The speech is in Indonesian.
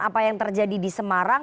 apa yang terjadi di semarang